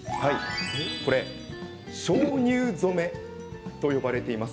鍾乳染めと呼ばれています。